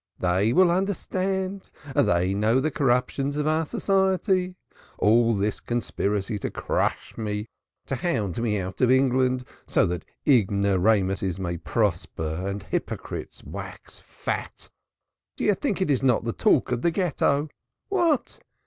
"They will understand. They know the corruptions of our society. All this conspiracy to crush me, to hound me out of England so that ignoramuses may prosper and hypocrites wax fat do you think it is not the talk of the Ghetto? What!